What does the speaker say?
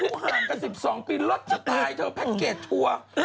พูดข้างกัน๑๒ปีลดจะตายเธอแพ็คเกจทั่ว